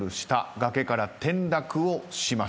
崖から転落をしました。